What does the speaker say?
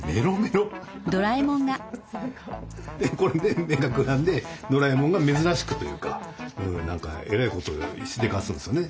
でこれで目がくらんでドラえもんが珍しくというかえらいことしでかすんですよね。